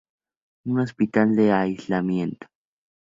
Un hospital de aislamiento.